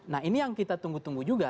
nah ini yang kita tunggu tunggu juga